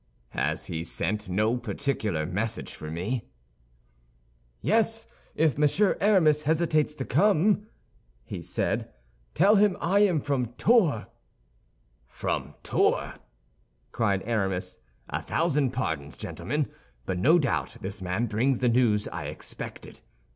"Has he sent no particular message for me?" "Yes. If Monsieur Aramis hesitates to come," he said, "tell him I am from Tours." "From Tours!" cried Aramis. "A thousand pardons, gentlemen; but no doubt this man brings me the news I expected."